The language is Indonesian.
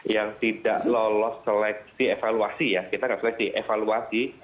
yang tidak lolos seleksi evaluasi ya kita nggak seleksi evaluasi